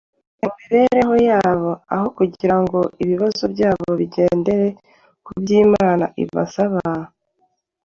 mu mibereho yabo aho kugira ngo ibibabaho byose bigendere kubyo Imana ibasaba.